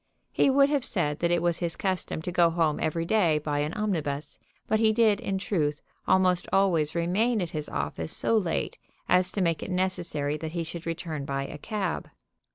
He would have said that it was his custom to go home every day by an omnibus, but he did, in truth, almost always remain at his office so late as to make it necessary that he should return by a cab.